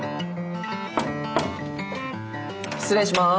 失礼します。